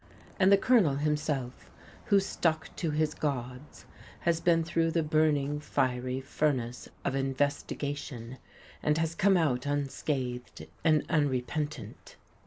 And the Colonel himself, who stuck to his gods, has been through the burning, fiery furnace of Investigation, and has come out unscathed and unrepentant.